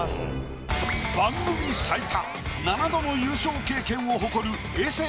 番組最多７度の優勝経験を誇る永世